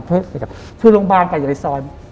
คือโรงพยาบาลกับอย่างไรซอย